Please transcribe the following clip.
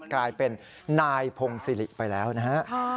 กลายเป็นนายพงศิริไปแล้วนะฮะ